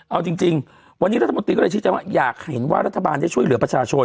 เอาจริงวันนี้รัฐมนตรีก็เลยชี้แจงว่าอยากเห็นว่ารัฐบาลได้ช่วยเหลือประชาชน